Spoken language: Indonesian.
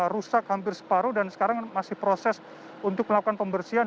rusak hampir separuh dan sekarang masih proses untuk melakukan pembersihan